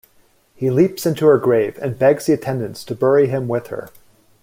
He leaps into her grave and begs the attendants to bury him with her.